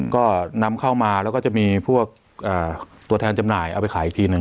ก็นำเข้ามาแล้วก็จะมีพวกตัวแทนจำหน่ายเอาไปขายอีกทีหนึ่ง